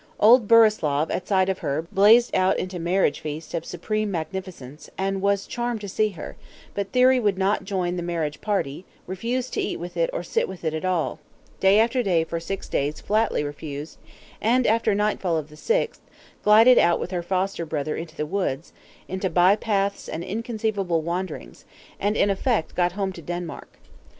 Old Burislav, at sight of her, blazed out into marriage feast of supreme magnificence, and was charmed to see her; but Thyri would not join the marriage party; refused to eat with it or sit with it at all. Day after day, for six days, flatly refused; and after nightfall of the sixth, glided out with her foster brother into the woods, into by paths and inconceivable wanderings; and, in effect, got home to Denmark.